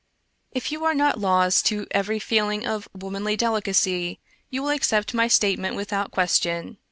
If you are not lost to every feeling of womanly delicacy you will accept my statement without question.